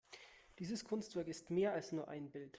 Dieses Kunstwerk ist mehr als nur ein Bild.